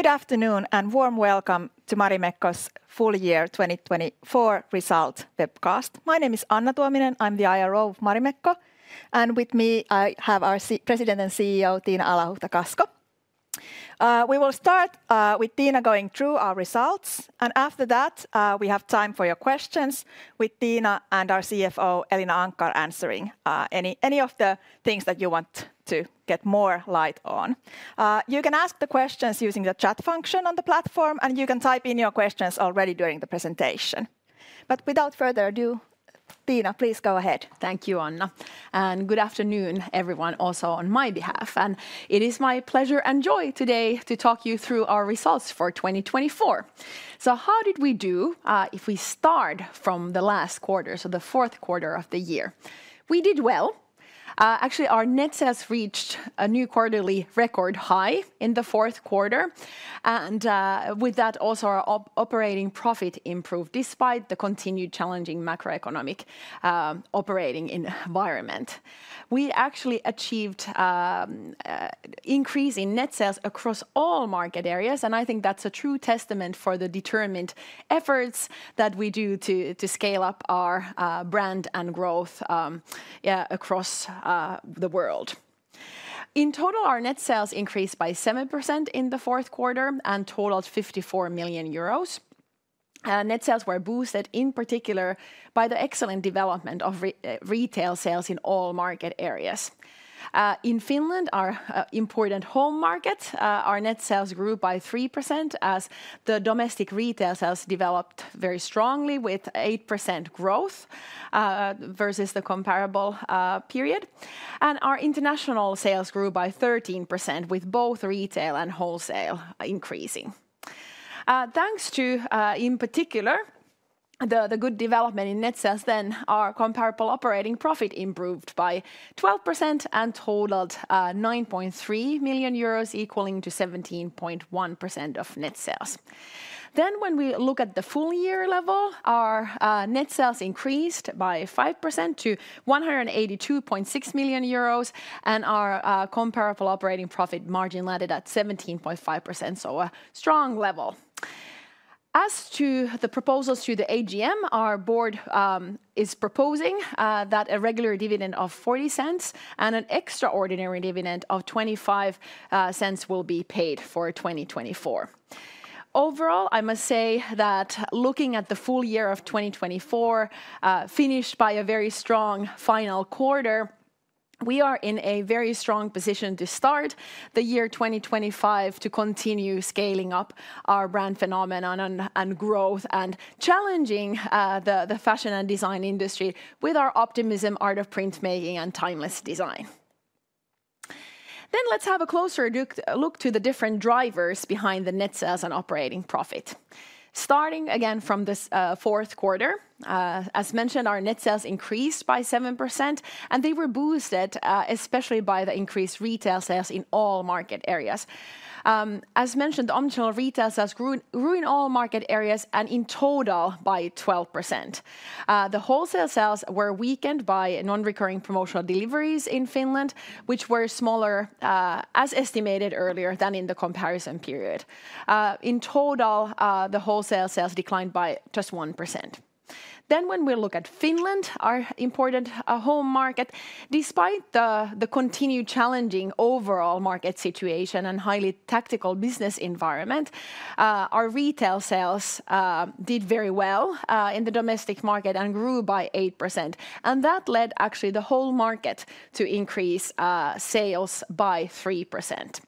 Good afternoon and warm welcome to Marimekko's full year 2024 results webcast. My name is Anna Tuominen, I'm the IRO of Marimekko, and with me I have our President and CEO, Tiina Alahuhta-Kasko. We will start with Tiina going through our results, and after that we have time for your questions with Tiina and our CFO, Elina Anckar, answering any of the things that you want to get more light on. You can ask the questions using the chat function on the platform, and you can type in your questions already during the presentation. But without further ado, Tiina, please go ahead. Thank you, Anna, and good afternoon everyone also on my behalf. And it is my pleasure and joy today to talk you through our results for 2024. So how did we do if we start from the last quarter, so the fourth quarter of the year? We did well. Actually, our net sales has reached a new quarterly record high in the fourth quarter, and with that also our operating profit improved despite the continued challenging macroeconomic operating environment. We actually achieved an increase in net sales across all market areas, and I think that's a true testament for the determined efforts that we do to scale up our brand and growth across the world. In total, our net sales increased by 7% in the fourth quarter and totaled 54 million euros. Net sales were boosted in particular by the excellent development of retail sales in all market areas. In Finland, our important home market, our net sales grew by 3% as the domestic retail sales developed very strongly with 8% growth versus the comparable period, and our international sales grew by 13% with both retail and wholesale increasing. Thanks to, in particular, the good development in net sales, then our comparable operating profit improved by 12% and totaled 9.3 million euros, equaling to 17.1% of net sales. Then when we look at the full year level, our net sales increased by 5% to 182.6 million euros, and our comparable operating profit margin landed at 17.5%, so a strong level. As to the proposals to the AGM, our board is proposing that a regular dividend of 0.40 and an extraordinary dividend of 0.25 will be paid for 2024. Overall, I must say that looking at the full year of 2024, finished by a very strong final quarter, we are in a very strong position to start the year 2025 to continue scaling up our brand phenomenon and growth and challenging the fashion and design industry with our optimism, art of printmaking, and timeless design. Then let's have a closer look to the different drivers behind the net sales and operating profit. Starting again from the fourth quarter, as mentioned, our net sales increased by 7%, and they were boosted especially by the increased retail sales in all market areas. As mentioned, the omnichannel retail sales grew in all market areas and in total by 12%. The wholesale sales were weakened by non-recurring promotional deliveries in Finland, which were smaller as estimated earlier than in the comparison period. In total, the wholesale sales declined by just 1%. Then when we look at Finland, our important home market, despite the continued challenging overall market situation and highly tactical business environment, our retail sales did very well in the domestic market and grew by 8%, and that led actually the whole market to increase sales by 3%.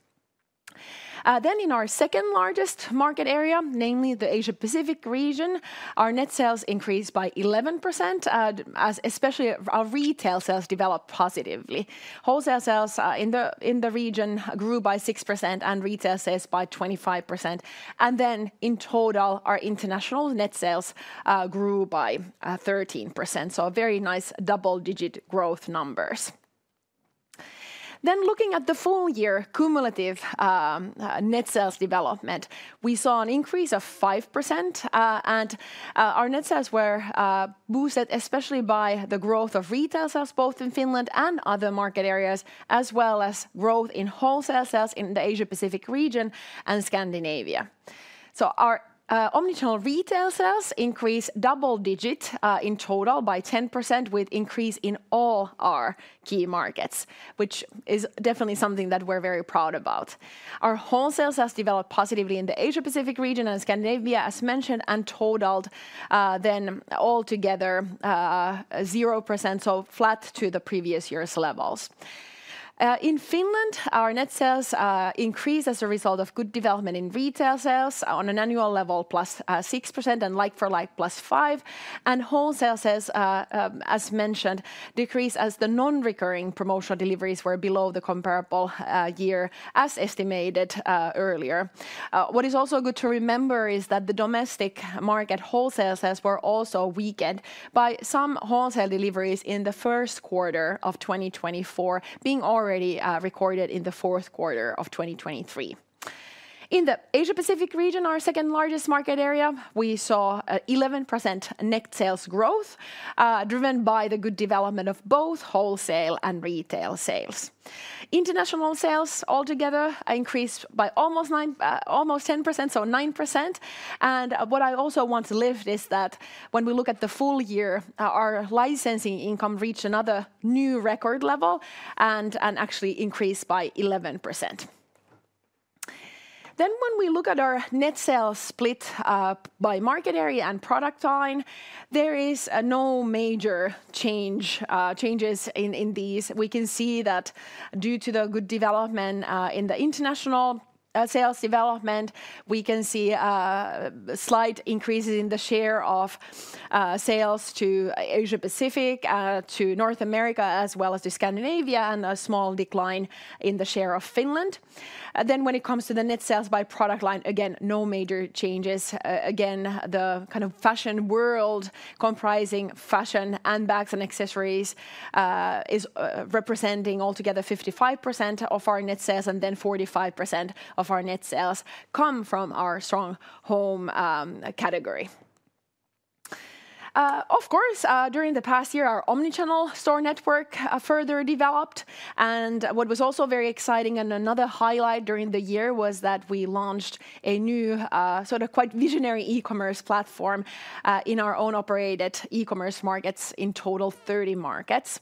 Then in our second largest market area, namely the Asia-Pacific region, our net sales increased by 11%, especially our retail sales developed positively. Wholesale sales in the region grew by 6% and retail sales by 25%, and then in total our international net sales grew by 13%, so very nice double-digit growth numbers. Then looking at the full year cumulative net sales development, we saw an increase of 5%, and our net sales were boosted especially by the growth of retail sales both in Finland and other market areas, as well as growth in wholesale sales in the Asia-Pacific region and Scandinavia. Our omnichannel retail sales increased double-digit in total by 10% with increase in all our key markets, which is definitely something that we're very proud about. Our wholesale sales developed positively in the Asia-Pacific region and Scandinavia, as mentioned, and totaled then altogether 0%, so flat to the previous year's levels. In Finland, our net sales increased as a result of good development in retail sales on an annual level plus 6% and like-for-like plus 5%, and wholesale sales, as mentioned, decreased as the non-recurring promotional deliveries were below the comparable year as estimated earlier. What is also good to remember is that the domestic market wholesale sales were also weakened by some wholesale deliveries in the first quarter of 2024, being already recorded in the fourth quarter of 2023. In the Asia-Pacific region, our second largest market area, we saw 11% net sales growth driven by the good development of both wholesale and retail sales. International sales altogether increased by almost 10%, so 9%, and what I also want to lift is that when we look at the full year, our licensing income reached another new record level and actually increased by 11%. Then when we look at our net sales split by market area and product line, there is no major changes in these. We can see that due to the good development in the international sales development, we can see slight increases in the share of sales to Asia-Pacific, to North America, as well as to Scandinavia, and a small decline in the share of Finland. Then when it comes to the net sales by product line, again, no major changes. Again, the kind of fashion world comprising fashion, handbags, and accessories is representing altogether 55% of our net sales, and then 45% of our net sales come from our strong home category. Of course, during the past year, our omnichannel store network further developed, and what was also very exciting and another highlight during the year was that we launched a new sort of quite visionary e-commerce platform in our own operated e-commerce markets in total 30 markets.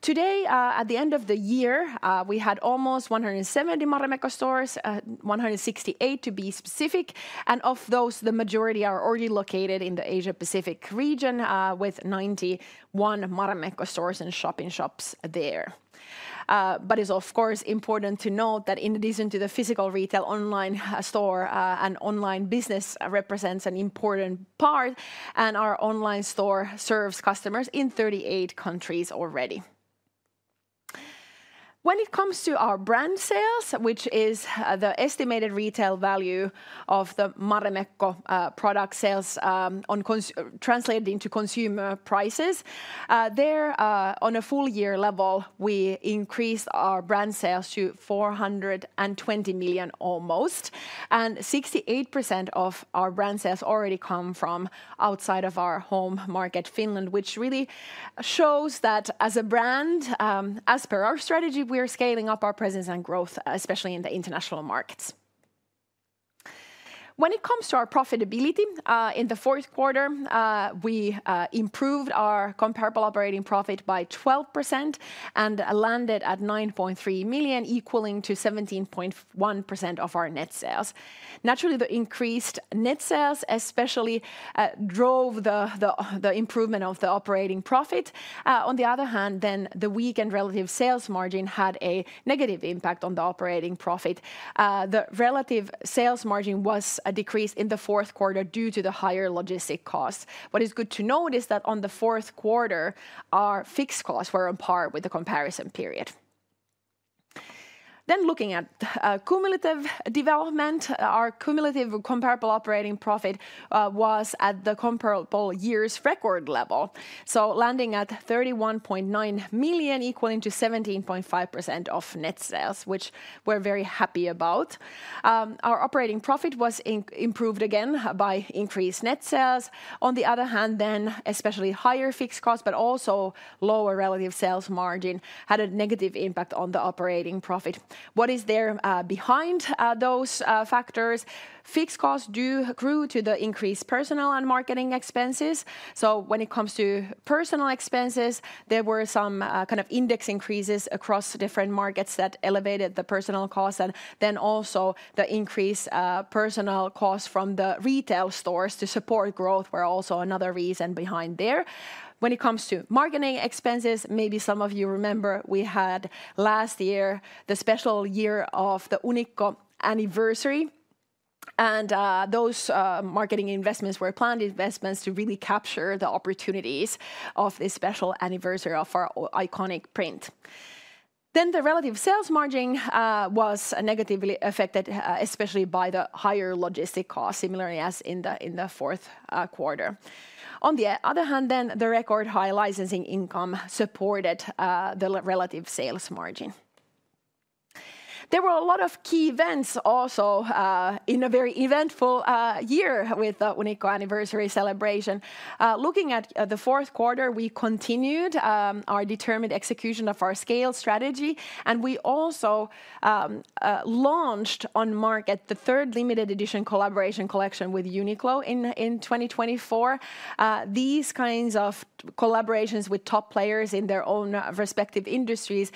Today, at the end of the year, we had almost 170 Marimekko stores, 168 to be specific, and of those, the majority are already located in the Asia-Pacific region with 91 Marimekko stores and shop-in-shops there. But it's of course important to note that in addition to the physical retail online store, an online business represents an important part, and our online store serves customers in 38 countries already. When it comes to our brand sales, which is the estimated retail value of the Marimekko product sales translated into consumer prices, there on a full year level, we increased our brand sales to 420 million almost, and 68% of our brand sales already come from outside of our home market, Finland, which really shows that as a brand, as per our strategy, we are scaling up our presence and growth, especially in the international markets. When it comes to our profitability, in the fourth quarter, we improved our comparable operating profit by 12% and landed at 9.3 million, equaling to 17.1% of our net sales. Naturally, the increased net sales especially drove the improvement of the operating profit. On the other hand, then the weakened relative sales margin had a negative impact on the operating profit. The relative sales margin was decreased in the fourth quarter due to the higher logistic costs. What is good to note is that in the fourth quarter, our fixed costs were on par with the comparison period. Then looking at cumulative development, our cumulative comparable operating profit was at the comparable year's record level, so landing at 31.9 million EUR, equaling to 17.5% of net sales, which we're very happy about. Our operating profit was improved again by increased net sales. On the other hand, then especially higher fixed costs, but also lower relative sales margin had a negative impact on the operating profit. What is there behind those factors? Fixed costs do accrue to the increased personnel and marketing expenses. So when it comes to personal expenses, there were some kind of index increases across different markets that elevated the personal costs, and then also the increased personal costs from the retail stores to support growth were also another reason behind there. When it comes to marketing expenses, maybe some of you remember we had last year the special year of the Unikko anniversary, and those marketing investments were planned investments to really capture the opportunities of this special anniversary of our iconic print. Then the relative sales margin was negatively affected, especially by the higher logistic costs, similarly as in the fourth quarter. On the other hand, then the record high licensing income supported the relative sales margin. There were a lot of key events also in a very eventful year with the Unikko anniversary celebration. Looking at the fourth quarter, we continued our determined execution of our scale strategy, and we also launched on market the third limited edition collaboration collection with UNIQLO in 2024. These kinds of collaborations with top players in their own respective industries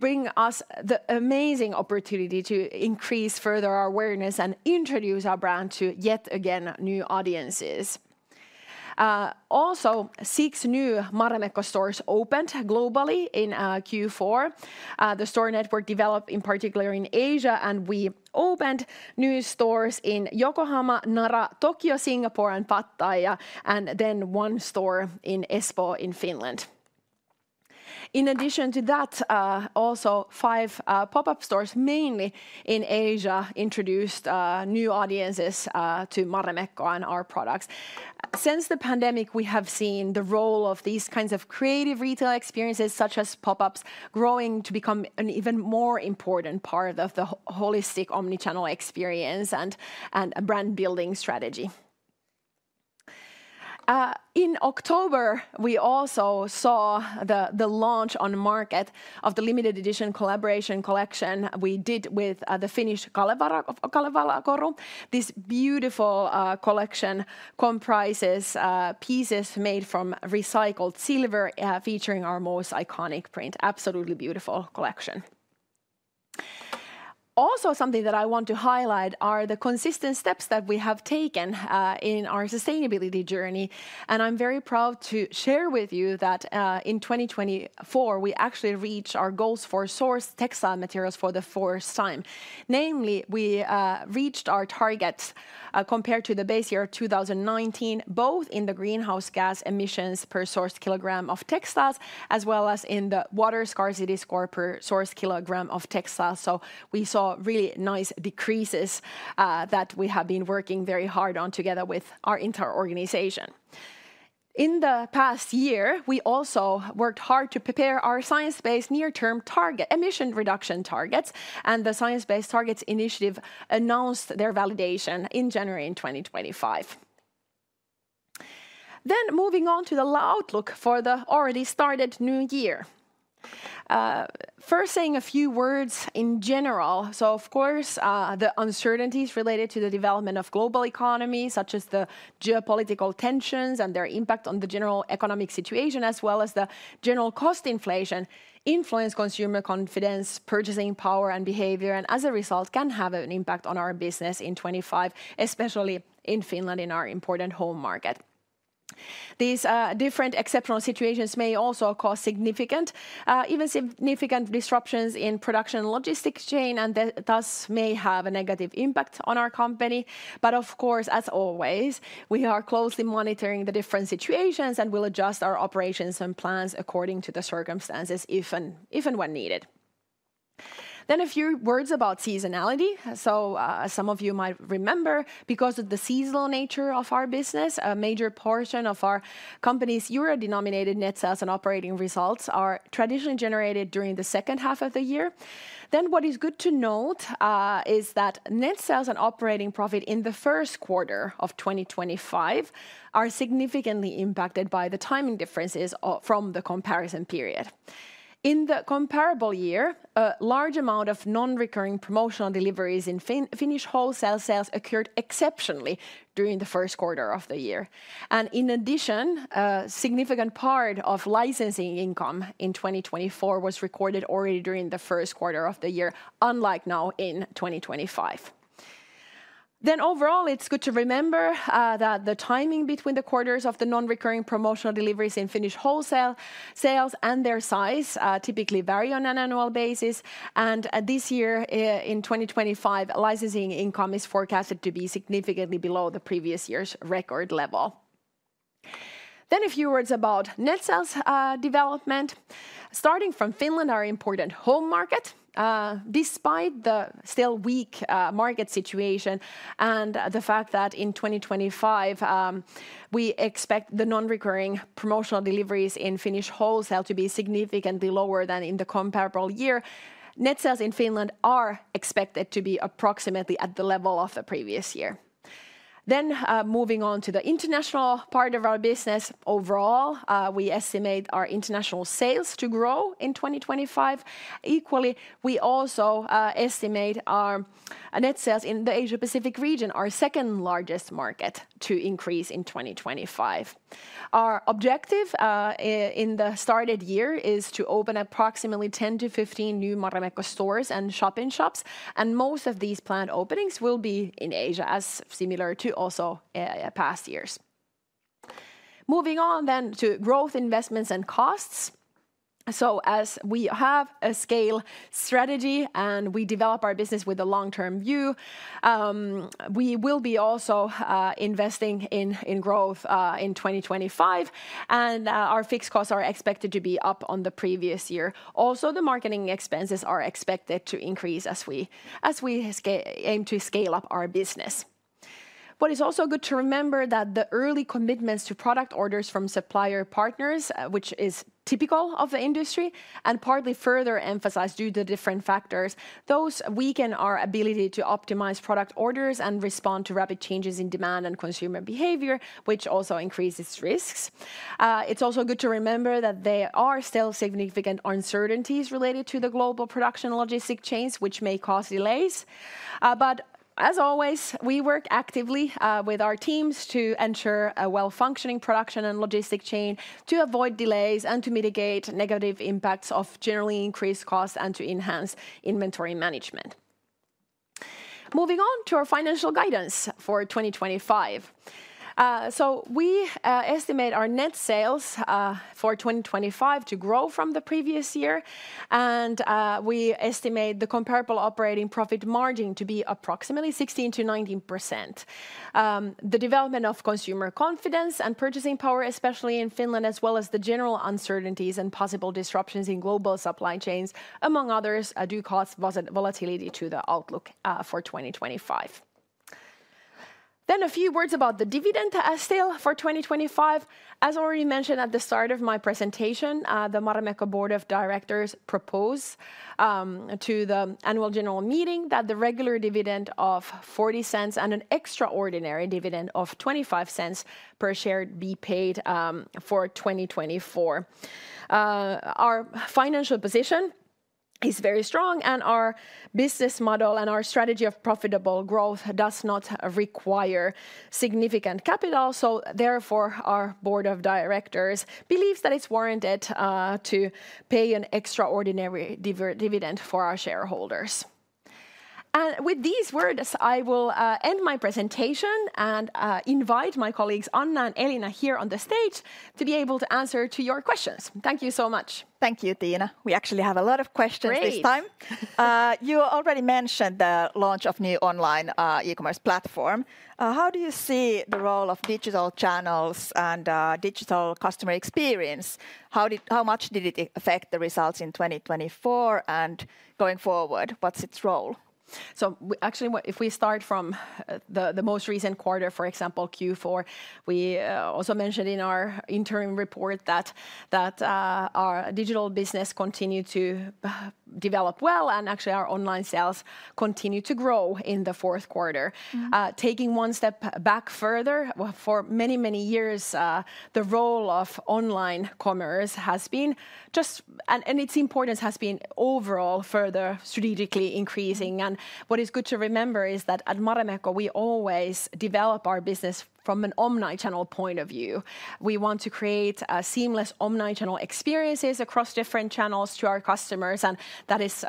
bring us the amazing opportunity to increase further our awareness and introduce our brand to yet again new audiences. Also, six new Marimekko stores opened globally in Q4. The store network developed in particular in Asia, and we opened new stores in Yokohama, Nara, Tokyo, Singapore, and Pattaya, and then one store in Espoo in Finland. In addition to that, also five pop-up stores mainly in Asia introduced new audiences to Marimekko and our products. Since the pandemic, we have seen the role of these kinds of creative retail experiences, such as pop-ups, growing to become an even more important part of the holistic omnichannel experience and brand building strategy. In October, we also saw the launch on market of the limited edition collaboration collection we did with the Finnish Kalevala Koru. This beautiful collection comprises pieces made from recycled silver featuring our most iconic print, absolutely beautiful collection. Also something that I want to highlight are the consistent steps that we have taken in our sustainability journey, and I'm very proud to share with you that in 2024, we actually reached our goals for sourced textile materials for the first time. Namely, we reached our targets compared to the base year 2019, both in the greenhouse gas emissions per sourced kilogram of textiles as well as in the water scarcity score per sourced kilogram of textiles. So we saw really nice decreases that we have been working very hard on together with our entire organization. In the past year, we also worked hard to prepare our science-based near-term target emission reduction targets, and the Science Based Targets initiative announced their validation in January 2025, then moving on to the outlook for the already started new year. First, saying a few words in general, so of course the uncertainties related to the development of global economies, such as the geopolitical tensions and their impact on the general economic situation, as well as the general cost inflation, influence consumer confidence, purchasing power and behavior, and as a result can have an impact on our business in 2025, especially in Finland in our important home market. These different exceptional situations may also cause significant, even significant disruptions in production and logistics chain, and thus may have a negative impact on our company. But of course, as always, we are closely monitoring the different situations and will adjust our operations and plans according to the circumstances if and when needed. Then a few words about seasonality. Some of you might remember because of the seasonal nature of our business, a major portion of our company's euro-denominated net sales and operating results are traditionally generated during the second half of the year. What is good to note is that net sales and operating profit in the first quarter of 2025 are significantly impacted by the timing differences from the comparison period. In the comparable year, a large amount of non-recurring promotional deliveries in Finnish wholesale sales occurred exceptionally during the first quarter of the year. In addition, a significant part of licensing income in 2024 was recorded already during the first quarter of the year, unlike now in 2025. Overall, it's good to remember that the timing between the quarters of the non-recurring promotional deliveries in Finnish wholesale sales and their size typically vary on an annual basis. This year in 2025, licensing income is forecasted to be significantly below the previous year's record level. A few words about net sales development. Starting from Finland, our important home market, despite the still weak market situation and the fact that in 2025 we expect the non-recurring promotional deliveries in Finnish wholesale to be significantly lower than in the comparable year, net sales in Finland are expected to be approximately at the level of the previous year. Moving on to the international part of our business, overall we estimate our international sales to grow in 2025. Equally, we also estimate our net sales in the Asia-Pacific region, our second largest market, to increase in 2025. Our objective in the started year is to open approximately 10-15 new Marimekko stores and shop-in-shops, and most of these planned openings will be in Asia, as similar to also past years. Moving on then to growth, investments, and costs, so as we have a scale strategy and we develop our business with a long-term view, we will be also investing in growth in 2025, and our fixed costs are expected to be up on the previous year. Also, the marketing expenses are expected to increase as we aim to scale up our business. What is also good to remember is that the early commitments to product orders from supplier partners, which is typical of the industry and partly further emphasized due to different factors, those weaken our ability to optimize product orders and respond to rapid changes in demand and consumer behavior, which also increases risks. It's also good to remember that there are still significant uncertainties related to the global production logistic chains, which may cause delays. But as always, we work actively with our teams to ensure a well-functioning production and logistic chain to avoid delays and to mitigate negative impacts of generally increased costs and to enhance inventory management. Moving on to our financial guidance for 2025. So we estimate our net sales for 2025 to grow from the previous year, and we estimate the comparable operating profit margin to be approximately 16%-19%. The development of consumer confidence and purchasing power, especially in Finland, as well as the general uncertainties and possible disruptions in global supply chains, among others, do cause volatility to the outlook for 2025. Then a few words about the dividend proposal for 2025. As already mentioned at the start of my presentation, the Marimekko Board of Directors proposed to the annual general meeting that the regular dividend of 0.40 and an extraordinary dividend of 0.25 per share be paid for 2024. Our financial position is very strong, and our business model and our strategy of profitable growth does not require significant capital. So therefore, our Board of Directors believes that it's warranted to pay an extraordinary dividend for our shareholders. And with these words, I will end my presentation and invite my colleagues Anna and Elina here on the stage to be able to answer your questions. Thank you so much. Thank you, Tiina. We actually have a lot of questions this time. You already mentioned the launch of a new online e-commerce platform. How do you see the role of digital channels and digital customer experience? How much did it affect the results in 2024 and going forward? What's its role? So actually, if we start from the most recent quarter, for example, Q4, we also mentioned in our interim report that our digital business continued to develop well and actually our online sales continued to grow in the fourth quarter. Taking one step back further, for many, many years, the role of online commerce has been just, and its importance has been overall further strategically increasing. And what is good to remember is that at Marimekko, we always develop our business from an omnichannel point of view. We want to create seamless omnichannel experiences across different channels to our customers, and that is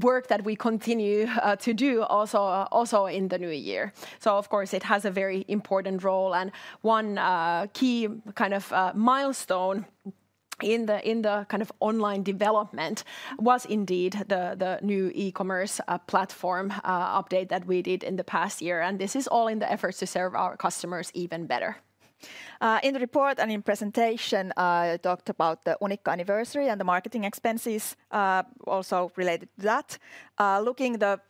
work that we continue to do also in the new year. So of course, it has a very important role. One key kind of milestone in the kind of online development was indeed the new e-commerce platform update that we did in the past year. This is all in the efforts to serve our customers even better. In the report and in presentation, I talked about the Unikko anniversary and the marketing expenses also related to that. Looking at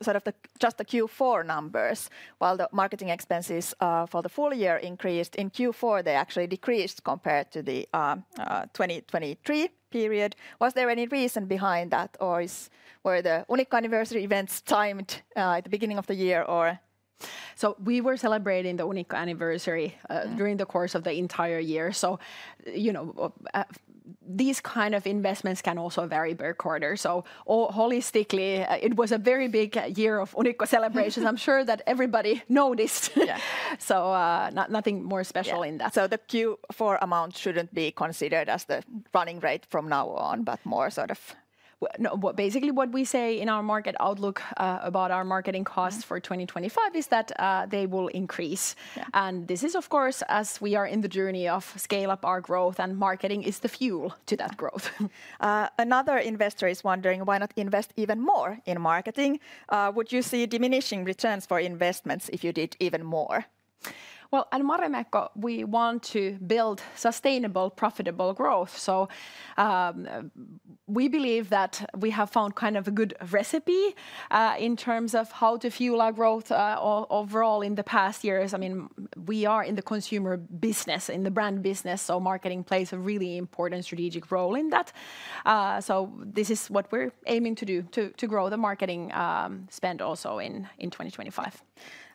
just the Q4 numbers, while the marketing expenses for the full year increased, in Q4 they actually decreased compared to the 2023 period. Was there any reason behind that, or were the Unikko anniversary events timed at the beginning of the year? We were celebrating the Unikko anniversary during the course of the entire year. These kinds of investments can also vary per quarter. Holistically, it was a very big year of Unikko celebrations. I'm sure that everybody noticed. Nothing more special in that. So the Q4 amount shouldn't be considered as the running rate from now on, but more sort of basically what we say in our market outlook about our marketing costs for 2025 is that they will increase. And this is, of course, as we are in the journey of scale-up, our growth and marketing is the fuel to that growth. Another investor is wondering why not invest even more in marketing. Would you see diminishing returns for investments if you did even more? Well, at Marimekko, we want to build sustainable, profitable growth. So we believe that we have found kind of a good recipe in terms of how to fuel our growth overall in the past years. I mean, we are in the consumer business, in the brand business, so marketing plays a really important strategic role in that. This is what we're aiming to do to grow the marketing spend also in 2025.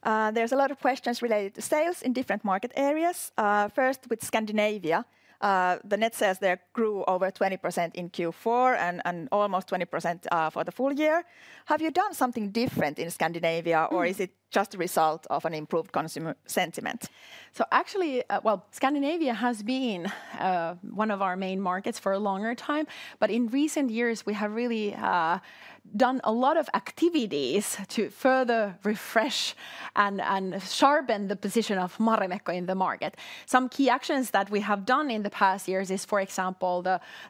There's a lot of questions related to sales in different market areas. First, with Scandinavia, the net sales there grew over 20% in Q4 and almost 20% for the full year. Have you done something different in Scandinavia, or is it just a result of an improved consumer sentiment? Actually, well, Scandinavia has been one of our main markets for a longer time, but in recent years, we have really done a lot of activities to further refresh and sharpen the position of Marimekko in the market. Some key actions that we have done in the past years is, for example,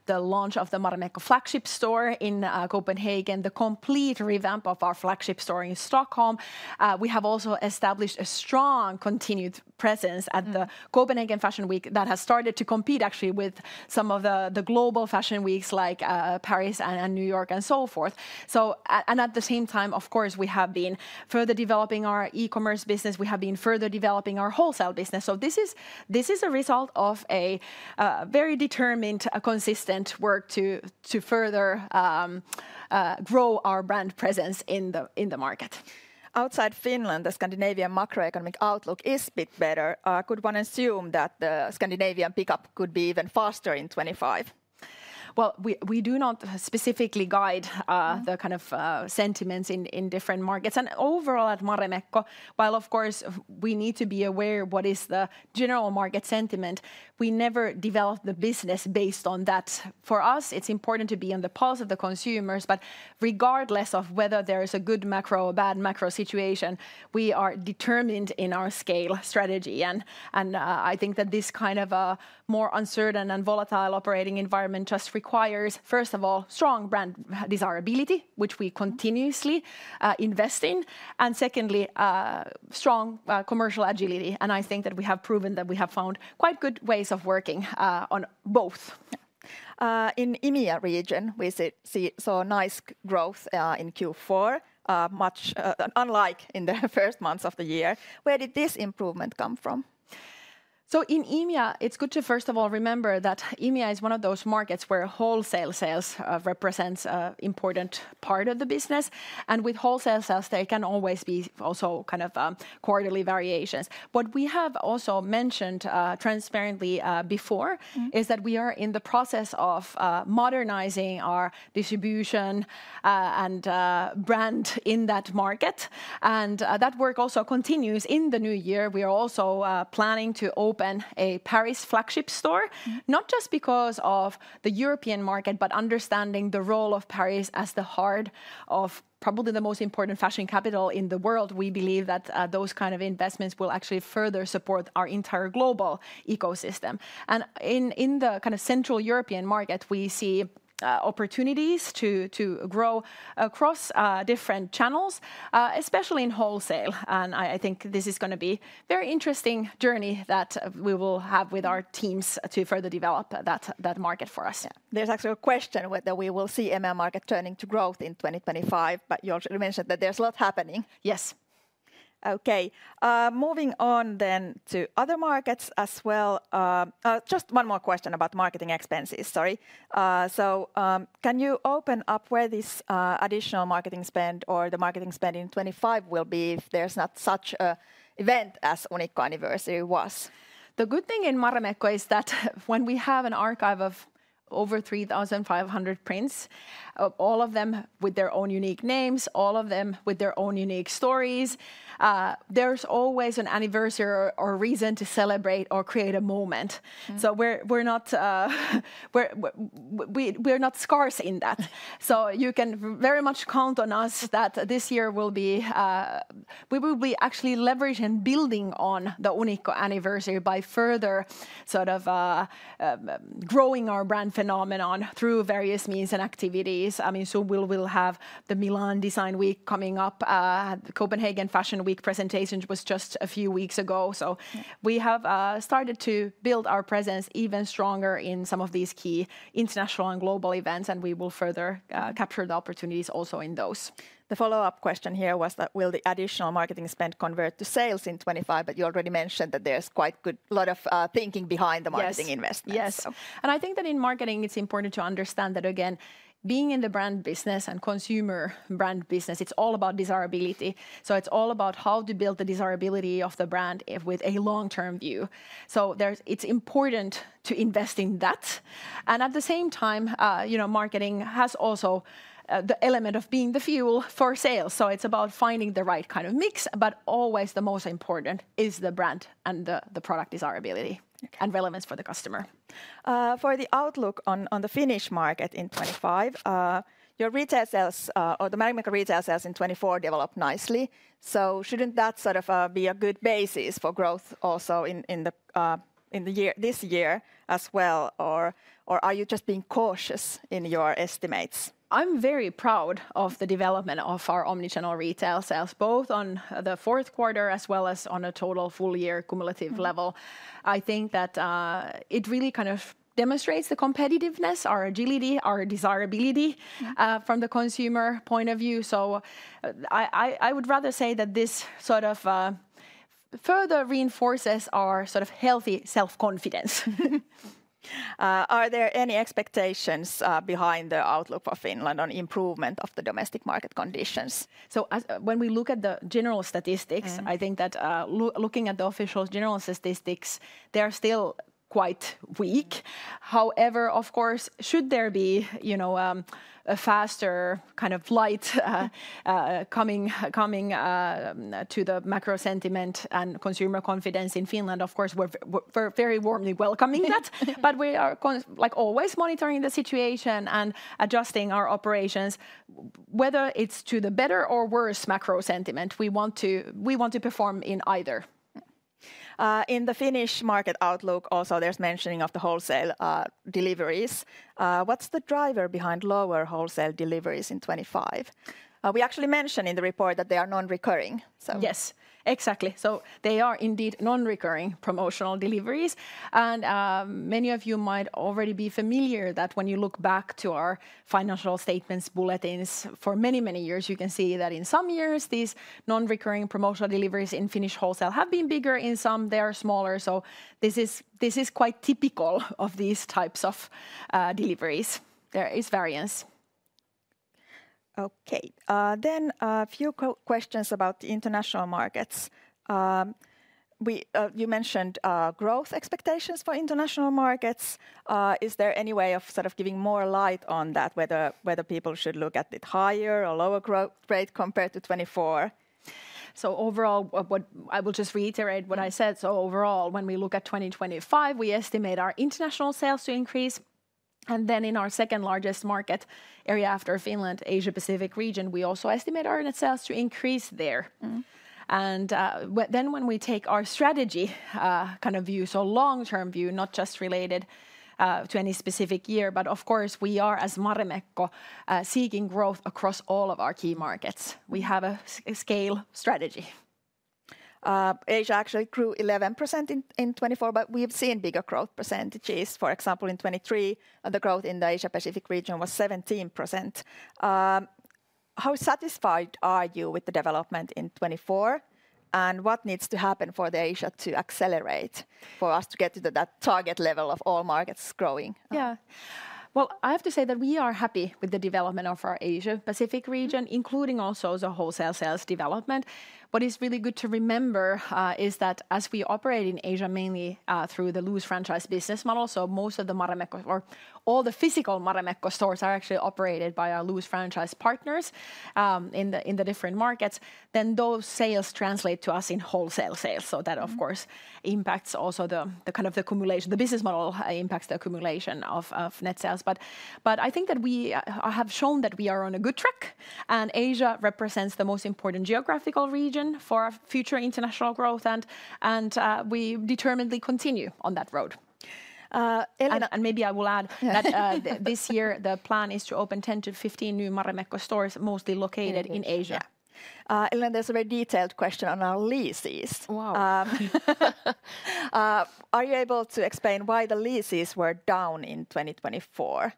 the launch of the Marimekko flagship store in Copenhagen, the complete revamp of our flagship store in Stockholm. We have also established a strong continued presence at the Copenhagen Fashion Week that has started to compete actually with some of the global fashion weeks like Paris and New York and so forth. So at the same time, of course, we have been further developing our e-commerce business. We have been further developing our wholesale business. So this is a result of a very determined, consistent work to further grow our brand presence in the market. Outside Finland, the Scandinavian macroeconomic outlook is a bit better. Could one assume that the Scandinavian pickup could be even faster in 2025? Well, we do not specifically guide the kind of sentiments in different markets. And overall at Marimekko, while of course we need to be aware of what is the general market sentiment, we never develop the business based on that. For us, it's important to be on the pulse of the consumers, but regardless of whether there is a good macro or bad macro situation, we are determined in our scale strategy, and I think that this kind of a more uncertain and volatile operating environment just requires, first of all, strong brand desirability, which we continuously invest in, and secondly, strong commercial agility. I think that we have proven that we have found quite good ways of working on both. In EMEA region, we saw nice growth in Q4, much unlike in the first months of the year. Where did this improvement come from? In EMEA, it's good to first of all remember that EMEA is one of those markets where wholesale sales represents an important part of the business, and with wholesale sales, there can always be also kind of quarterly variations. What we have also mentioned transparently before is that we are in the process of modernizing our distribution and brand in that market, and that work also continues in the new year. We are also planning to open a Paris flagship store, not just because of the European market, but understanding the role of Paris as the heart of probably the most important fashion capital in the world. We believe that those kinds of investments will actually further support our entire global ecosystem, and in the kind of central European market, we see opportunities to grow across different channels, especially in wholesale, and I think this is going to be a very interesting journey that we will have with our teams to further develop that market for us. There's actually a question whether we will see EMEA market turning to growth in 2025, but you already mentioned that there's a lot happening. Yes. Okay. Moving on then to other markets as well. Just one more question about marketing expenses. Sorry. So can you open up where this additional marketing spend or the marketing spend in 2025 will be if there's not such an event as Unikko anniversary was? The good thing in Marimekko is that when we have an archive of over 3,500 prints, all of them with their own unique names, all of them with their own unique stories, there's always an anniversary or reason to celebrate or create a moment. So we're not scarce in that. You can very much count on us that this year we will be actually leveraging and building on the Unikko anniversary by further sort of growing our brand phenomenon through various means and activities. I mean, so we will have the Milan Design Week coming up, the Copenhagen Fashion Week presentation was just a few weeks ago. So we have started to build our presence even stronger in some of these key international and global events, and we will further capture the opportunities also in those. The follow-up question here was that will the additional marketing spend convert to sales in 2025? But you already mentioned that there's quite a lot of thinking behind the marketing investment. Yes. And I think that in marketing, it's important to understand that, again, being in the brand business and consumer brand business, it's all about desirability. So it's all about how to build the desirability of the brand with a long-term view. So it's important to invest in that. And at the same time, marketing has also the element of being the fuel for sales. So it's about finding the right kind of mix, but always the most important is the brand and the product desirability and relevance for the customer. For the outlook on the Finnish market in 2025, your retail sales or the Marimekko retail sales in 2024 developed nicely. So shouldn't that sort of be a good basis for growth also in this year as well? Or are you just being cautious in your estimates? I'm very proud of the development of our omnichannel retail sales, both on the fourth quarter as well as on a total full year cumulative level. I think that it really kind of demonstrates the competitiveness, our agility, our desirability from the consumer point of view. So I would rather say that this sort of further reinforces our sort of healthy self-confidence. Are there any expectations behind the outlook for Finland on improvement of the domestic market conditions? So when we look at the general statistics, I think that looking at the official general statistics, they are still quite weak. However, of course, should there be a faster kind of light coming to the macro sentiment and consumer confidence in Finland, of course, we're very warmly welcoming that. But we are always monitoring the situation and adjusting our operations. Whether it's to the better or worse macro sentiment, we want to perform in either. In the Finnish market outlook, also there's mentioning of the wholesale deliveries. What's the driver behind lower wholesale deliveries in 2025? We actually mentioned in the report that they are non-recurring. Yes, exactly. So they are indeed non-recurring promotional deliveries, and many of you might already be familiar that when you look back to our financial statements bulletins for many, many years, you can see that in some years, these non-recurring promotional deliveries in Finnish wholesale have been bigger. In some, they are smaller, so this is quite typical of these types of deliveries. There is variance. Okay, then a few questions about the international markets. You mentioned growth expectations for international markets. Is there any way of sort of giving more light on that, whether people should look at it higher or lower growth rate compared to 2024? So overall, I will just reiterate what I said, so overall, when we look at 2025, we estimate our international sales to increase. Then in our second largest market area after Finland, Asia-Pacific region, we also estimate our net sales to increase there. Then when we take our strategy kind of view, so long-term view, not just related to any specific year, but of course, we are as Marimekko seeking growth across all of our key markets. We have a scale strategy. Asia actually grew 11% in 2024, but we've seen bigger growth percentages. For example, in 2023, the growth in the Asia-Pacific region was 17%. How satisfied are you with the development in 2024? And what needs to happen for Asia to accelerate for us to get to that target level of all markets growing? Yeah. I have to say that we are happy with the development of our Asia-Pacific region, including also the wholesale sales development. What is really good to remember is that as we operate in Asia mainly through the loose franchise business model, so most of the Marimekko or all the physical Marimekko stores are actually operated by our loose franchise partners in the different markets, then those sales translate to us in wholesale sales. So that, of course, impacts also the kind of the accumulation, the business model impacts the accumulation of net sales. But I think that we have shown that we are on a good track. And Asia represents the most important geographical region for our future international growth. And we determinedly continue on that road. And maybe I will add that this year the plan is to open 10 to 15 new Marimekko stores, mostly located in Asia. Elina, there's a very detailed question on our leases. Wow. Are you able to explain why the leases were down in 2024?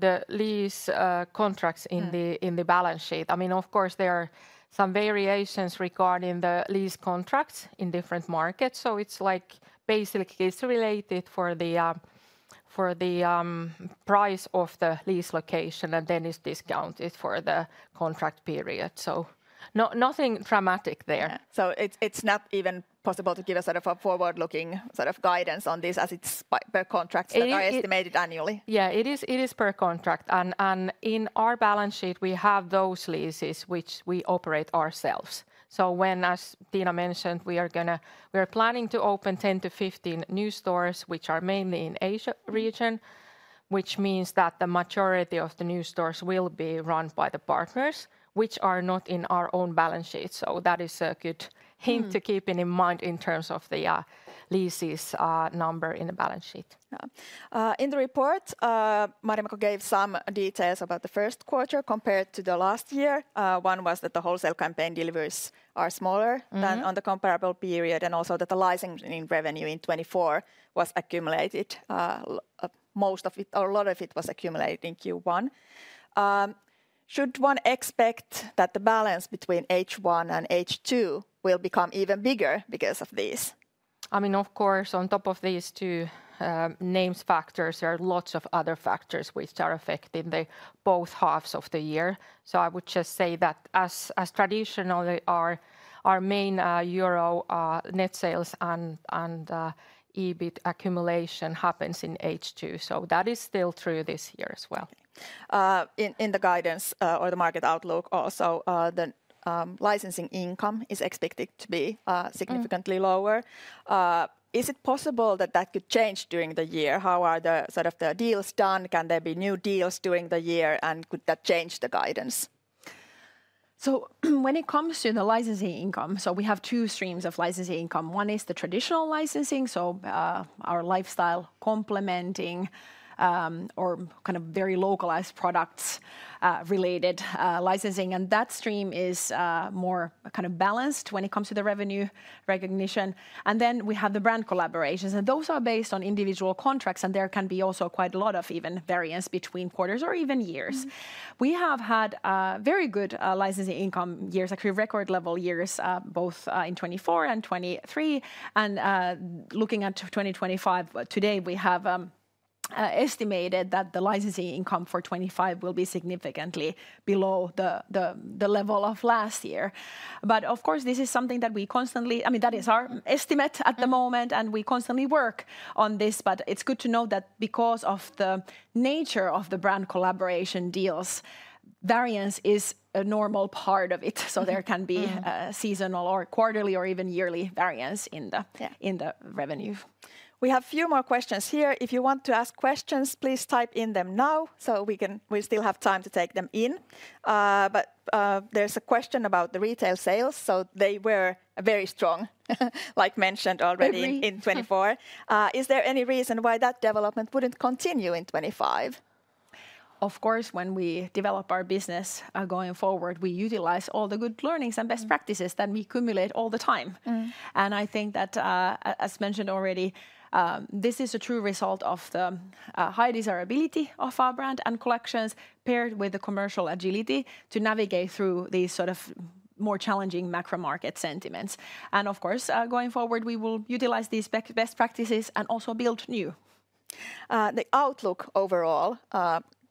The lease contracts in the balance sheet. I mean, of course, there are some variations regarding the lease contracts in different markets, so it's like basically it's related for the price of the lease location and then it's discounted for the contract period, so nothing dramatic there. It's not even possible to give a sort of a forward-looking sort of guidance on this as it's per contract that are estimated annually. Yeah, it is per contract, and in our balance sheet, we have those leases which we operate ourselves. So when, as Tiina mentioned, we are going to, we are planning to open 10-15 new stores, which are mainly in the Asia region, which means that the majority of the new stores will be run by the partners, which are not in our own balance sheet. So that is a good hint to keep in mind in terms of the leases number in the balance sheet. In the report, Marimekko gave some details about the first quarter compared to the last year. One was that the wholesale campaign deliveries are smaller than on the comparable period and also that the rising in revenue in 2024 was accumulated. Most of it, or a lot of it was accumulated in Q1. Should one expect that the balance between H1 and H2 will become even bigger because of these? I mean, of course, on top of these two main factors, there are lots of other factors which are affecting both halves of the year, so I would just say that as traditionally our main euro net sales and EBIT accumulation happens in H2, so that is still true this year as well. In the guidance or the market outlook also, the licensing income is expected to be significantly lower. Is it possible that that could change during the year? How are the sort of deals done? Can there be new deals during the year? And could that change the guidance? So when it comes to the licensing income, so we have two streams of licensing income. One is the traditional licensing, so our lifestyle complementing or kind of very localized products related licensing. And that stream is more kind of balanced when it comes to the revenue recognition. And then we have the brand collaborations. And those are based on individual contracts. And there can be also quite a lot of even variance between quarters or even years. We have had very good licensing income years, actually record level years, both in 2024 and 2023. And looking at 2025, today we have estimated that the licensing income for 2025 will be significantly below the level of last year. But of course, this is something that we constantly, I mean, that is our estimate at the moment. And we constantly work on this. But it's good to note that because of the nature of the brand collaboration deals, variance is a normal part of it. So there can be seasonal or quarterly or even yearly variance in the revenue. We have a few more questions here. If you want to ask questions, please type in them now so we still have time to take them in. But there's a question about the retail sales. So they were very strong, like mentioned already in 2024. Is there any reason why that development wouldn't continue in 2025? Of course, when we develop our business going forward, we utilize all the good learnings and best practices that we accumulate all the time. And I think that, as mentioned already, this is a true result of the high desirability of our brand and collections paired with the commercial agility to navigate through these sort of more challenging macro market sentiments. And of course, going forward, we will utilize these best practices and also build new. The outlook overall,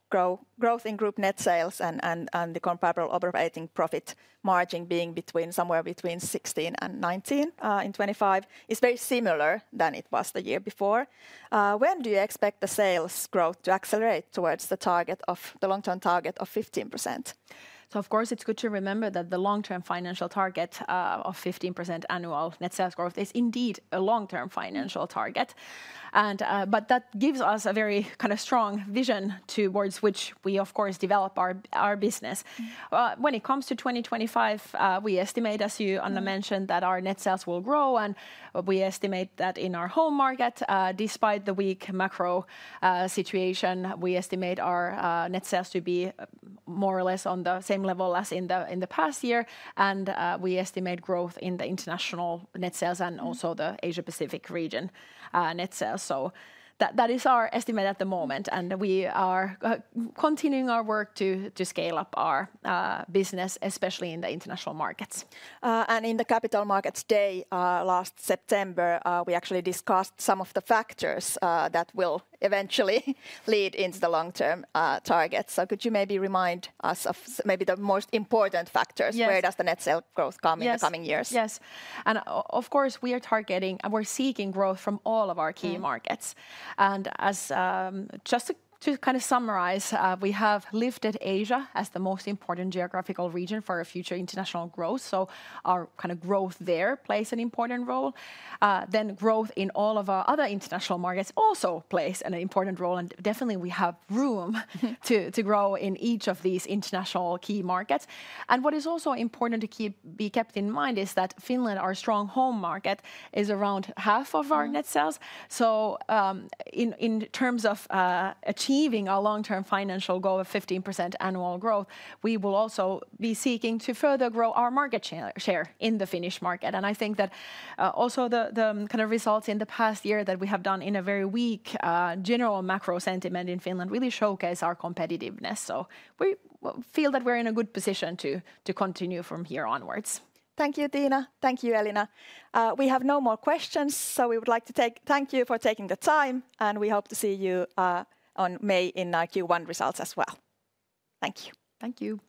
growth in group net sales and the comparable operating profit margin being somewhere between 16% and 19% in 2025, is very similar than it was the year before. When do you expect the sales growth to accelerate towards the target of the long-term target of 15%? So of course, it's good to remember that the long-term financial target of 15% annual net sales growth is indeed a long-term financial target. But that gives us a very kind of strong vision towards which we, of course, develop our business. When it comes to 2025, we estimate, as you, Anna, mentioned, that our net sales will grow. And we estimate that in our home market, despite the weak macro situation, we estimate our net sales to be more or less on the same level as in the past year. We estimate growth in the international net sales and also the Asia-Pacific region net sales. That is our estimate at the moment. We are continuing our work to scale up our business, especially in the international markets. In the capital markets day last September, we actually discussed some of the factors that will eventually lead into the long-term target. Could you maybe remind us of maybe the most important factors? Where does the net sales growth come in the coming years? Yes. Of course, we are targeting and we're seeking growth from all of our key markets. Just to kind of summarize, we have lifted Asia as the most important geographical region for future international growth. Our kind of growth there plays an important role. Growth in all of our other international markets also plays an important role. Definitely we have room to grow in each of these international key markets. What is also important to be kept in mind is that Finland, our strong home market, is around half of our net sales. In terms of achieving our long-term financial goal of 15% annual growth, we will also be seeking to further grow our market share in the Finnish market. I think that also the kind of results in the past year that we have done in a very weak general macro sentiment in Finland really showcase our competitiveness. We feel that we're in a good position to continue from here onwards. Thank you, Tiina. Thank you, Elina. We have no more questions. We would like to thank you for taking the time. We hope to see you on May in Q1 results as well. Thank you. Thank you.